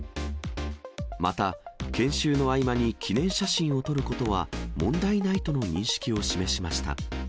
また、研修の合間に記念写真を撮ることは問題ないとの認識を示しました。